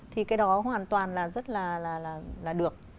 thì cái đó hoàn toàn là rất là được